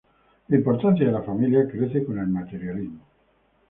La importancia de la familia crece con el materialismo.